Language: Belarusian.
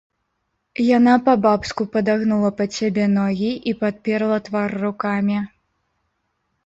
Яна па-бабску падагнула пад сябе ногі і падперла твар рукамі.